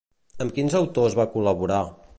Amb quins autors va col·laborar?